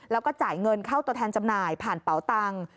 แล้วก็จ่ายเงินเข้าตัวแทนจำหน่ายผ่านเป๋าตังค์